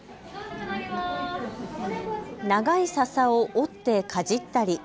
長いささを折ってかじったり。